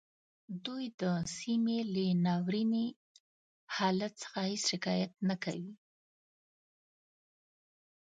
دوی د سیمې له ناوریني حالت څخه هیڅ شکایت نه کوي